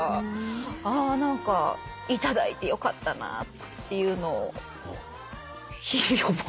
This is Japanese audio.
ああ何か頂いてよかったなっていうのを日々思ってます。